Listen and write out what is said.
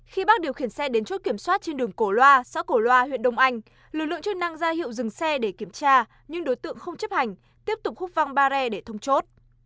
khi bác điều khiển xe đến chốt kiểm soát trên đường cổ loa xã cổ loa huyện đông anh lực lượng chức năng ra hiệu dừng xe để kiểm tra nhưng đối tượng không chấp hành tiếp tục hút văng ba re để thông chốt